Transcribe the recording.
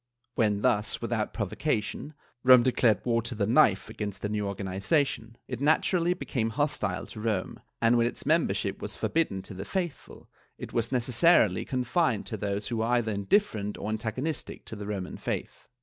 ^ When thus, without provo cation, Rome declared war to the knife against the new organi zation, it naturally became hostile to Rome, and when its member ship was forbidden to the faithful, it was necessarily confined to those who were either mdifferent or antagonistic to the Roman faith.